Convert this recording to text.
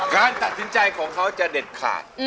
การตัดสินใจของเขาจะเด็ดขาด